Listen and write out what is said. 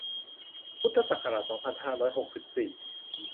พุทธศักราช สองพันห้าร้อยหกสิบสี่